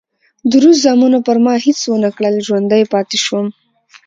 د روس زامنو پر ما هېڅ ونه کړل، ژوندی پاتې شوم.